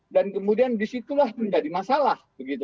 dan kemudian disitulah menjadi masalah